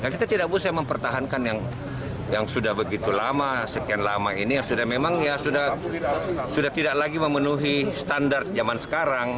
kita tidak bisa mempertahankan yang sudah begitu lama sekian lama ini yang sudah memang ya sudah tidak lagi memenuhi standar zaman sekarang